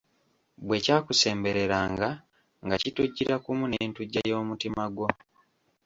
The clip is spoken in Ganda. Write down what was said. Bwe kyakusembereranga nga kittujira kumu n’entujja y’omutima gwo.